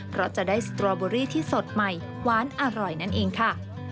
เพราะจะได้สตรอเบอรี่ที่สดใหม่หวานอร่อยนั่นเองค่ะ